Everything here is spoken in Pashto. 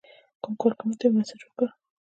کوم کارکونکي ته یې مسیج وکړ.